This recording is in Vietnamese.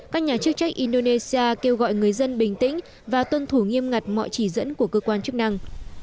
các nhà chức trách indonesia kêu gọi người dân bình tĩnh và tuân thủ nghiêm ngặt mọi chỉ dẫn của cơ quan chức năng